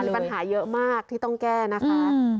ปัญหาเยอะมากที่ต้องแก้นะคะ